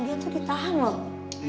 dia tuh di tahan loh